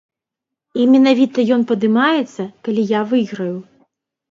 І менавіта ён падымаецца, калі я выйграю.